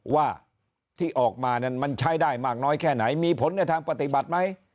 ว่าที่ออกมานั้นมันใช้ได้มากน้อยแค่ไหนมีผลในทางปฏิบัติไหม